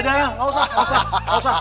tidak tidak usah